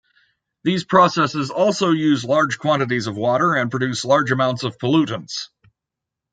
These processes also use large quantities of water and produce large amounts of pollutants.